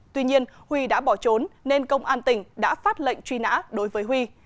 tuy nhiên huy đã bỏ trốn nên công an tỉnh đã phát lệnh truy nã đối với huy